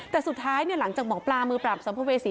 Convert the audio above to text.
แต่สุดท้ายหลังจากหมอปลามือปราบสัมภเวษี